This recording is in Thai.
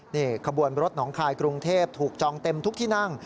นี่ขบวนรถหนองคายกรุงเทพถูกจองเต็มทุกที่นั่ง